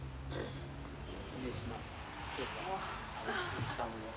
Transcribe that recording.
失礼します。